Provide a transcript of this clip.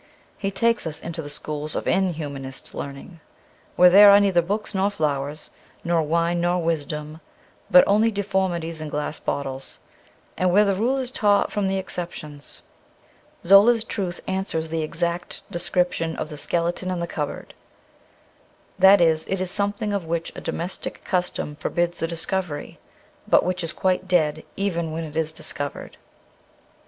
He takes us into the schools of inhumanist learning, where there are neither books nor flowers, nor wine nor wisdom, but only deformities in glass bottles, and where the rule is taught from the exceptions. Zola's truth answers the exact description of the skeleton in the cupboard ; that is, it is something of which a domestic custom forbids the discovery, but which is quite dead, even when it is discovered.